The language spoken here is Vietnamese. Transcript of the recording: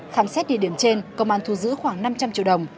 khám xét địa điểm trên công an thu giữ khoảng năm trăm linh triệu đồng